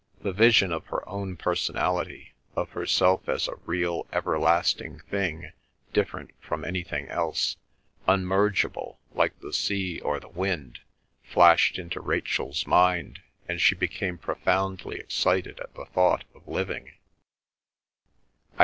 The vision of her own personality, of herself as a real everlasting thing, different from anything else, unmergeable, like the sea or the wind, flashed into Rachel's mind, and she became profoundly excited at the thought of living.